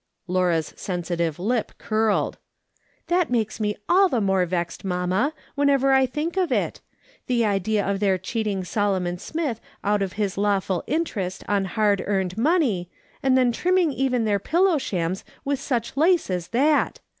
" Laura's sensitive lip curled. " That makes me all the more vexed, mamma, whenever I think of it. The idea of their cheating Solomon Smith out of his lawful interest on liard earned money, and then trimming even their pillow shams with such lace as that